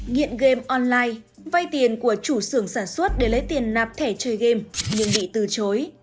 nghiện game online vay tiền của chủ xưởng sản xuất để lấy tiền nạp thẻ chơi game nhưng bị từ chối